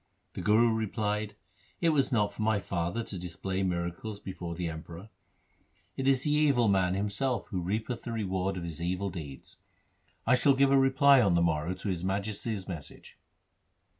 The Guru replied, ' It was not for my father to display miracles before the Emperor ; it is the evil man 12 THE SIKH RELIGION himself who reapeth the reward of his evil deeds. I shall give a reply on the morrow to His Majesty's message.'